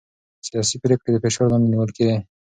سياسي پرېکړې د فشار لاندې نيول کېدې.